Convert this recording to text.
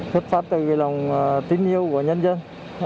thích phát từ lòng tình yêu của nhân dân